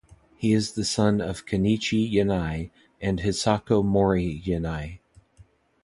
He is the son of Kanichi Yanai and Hisako Mori Yanai.